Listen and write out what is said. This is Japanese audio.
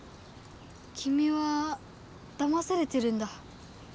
きみはだまされてるんだ。